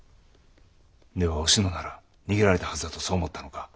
ではおしのなら逃げられたはずだとそう思ったのか？